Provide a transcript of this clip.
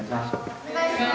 お願いします。